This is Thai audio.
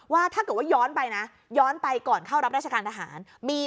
ว่าถ้าเกิดว่าย้อนไปนะย้อนไปก่อนเข้ารับราชการทหาร